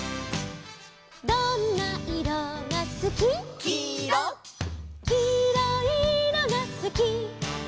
「どんないろがすき」「」「きいろいいろがすき」